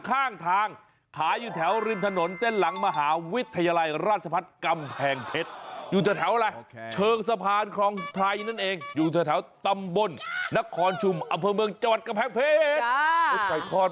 อ้าภาษาอังกฤษไม่ค่อยต้องแบแก้อร์